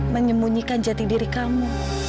menyemunyikan jati diri kamu